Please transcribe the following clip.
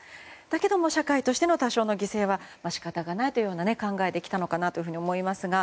だけれども社会としての多少の犠牲は仕方ないと考えてきたのかなと思いますが。